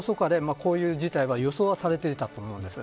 こういう事態は予想されていたと思うんです。